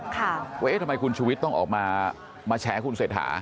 ว่าเอ๊ะทำไมคุณชุวิตต้องออกมามาแฉคุณเศรษฐา